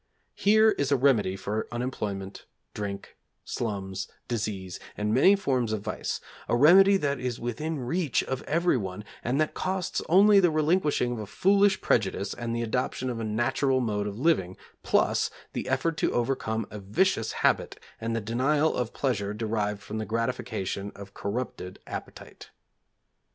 Here is a remedy for unemployment, drink, slums, disease, and many forms of vice; a remedy that is within the reach of everyone, and that costs only the relinquishing of a foolish prejudice and the adoption of a natural mode of living plus the effort to overcome a vicious habit and the denial of pleasure derived from the gratification of corrupted appetite.